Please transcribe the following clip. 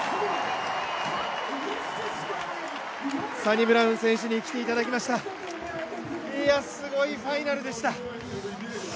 サニブラウン選手に来ていただきました、すごいファイナルでした。